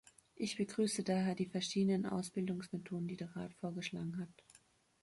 Ich begrüße daher die verschiedenen Ausbildungsmethoden, die der Rat vorgeschlagen hat.